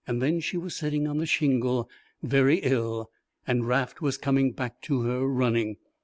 Then she was sitting on the shingle very ill and Raft was coming back to her, running.